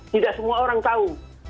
tidak semua orang tahu